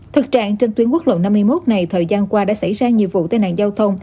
thực trạng này được phản ánh trên báo đầu tư